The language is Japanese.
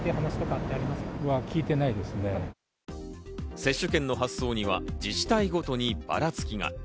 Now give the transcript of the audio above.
接種券の発送には自治体ごとにばらつきが。